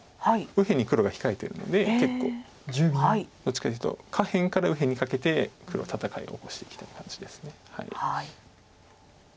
右辺に黒が控えてるのでどっちかっていうと下辺から右辺にかけて黒は戦いを起こしていきたい感じです。